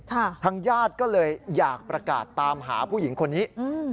ทางญาติก็เลยอยากประกาศตามหาผู้หญิงคนนี้อืม